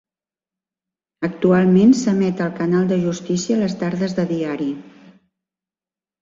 Actualment s'emet al Canal de Justícia les tardes de diari.